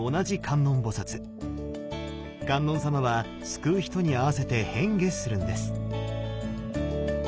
観音様は救う人に合わせて変化するんです。